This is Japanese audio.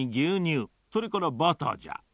それからバターじゃ。